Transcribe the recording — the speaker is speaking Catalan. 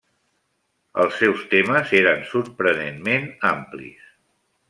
Els seus temes eren sorprenentment amplis.